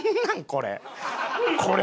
これ。